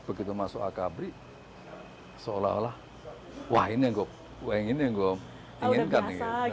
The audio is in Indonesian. begitu masuk akabri seolah olah wah ini yang gue inginkan